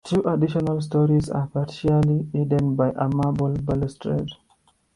Two additional stories are partially hidden by a marble balustrade.